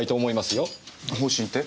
方針って？